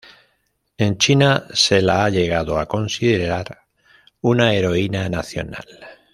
En China se la ha llegado a considerar una heroína nacional.